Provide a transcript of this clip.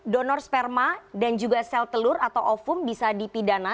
donor sperma dan juga sel telur atau ofum bisa dipidana